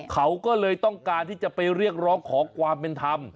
เขาก็เลยต้องการที่จะไปเรียกร้องขอความเป็นธรรม